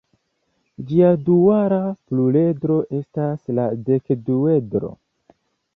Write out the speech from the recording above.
Ĝia duala pluredro estas la dekduedro.